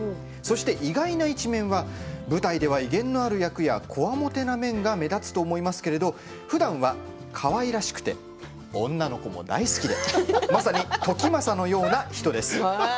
そして、意外な一面は舞台では威厳のある役やこわもてな面が目立つと思いますけれどふだんはかわいらしくて女の子も大好きでまさに時政のような人です。